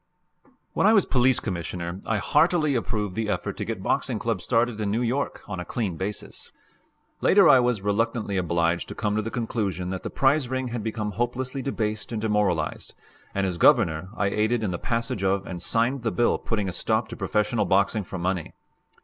When I was Police Commissioner, I heartily approved the effort to get boxing clubs started in New York on a clean basis. Later I was reluctantly obliged to come to the conclusion that the prize ring had become hopelessly debased and demoralized, and as Governor I aided in the passage of and signed the bill putting a stop to professional boxing for money.